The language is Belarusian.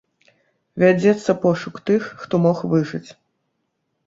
Вядзецца пошук тых, хто мог выжыць.